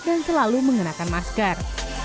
dan selalu menggunakan masker